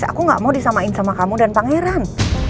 aku gak mau disamain sama kamu dan pangeran